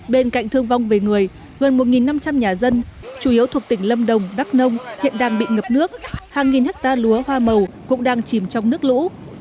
bên cạnh thương vong về người gần một năm trăm linh nhà dân chủ yếu thuộc tỉnh lâm đồng đắk nông hiện đang bị ngập nước hàng nghìn hectare lúa hoa màu cũng đang chìm trong nước lũ